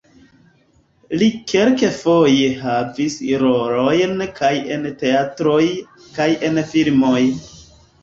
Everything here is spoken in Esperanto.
Li kelkfoje havis rolojn kaj en teatroj, kaj en filmoj.